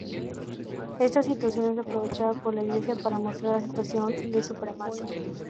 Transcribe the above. Esta situación es aprovechada por la Iglesia para mostrar la situación de supremacía.